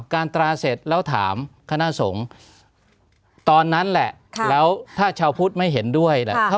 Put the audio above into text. ตราเสร็จแล้วถามคณะสงฆ์ตอนนั้นแหละแล้วถ้าชาวพุทธไม่เห็นด้วยแหละ